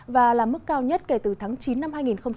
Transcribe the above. và là mức cao nhất kể từ tháng chín năm hai nghìn một mươi chín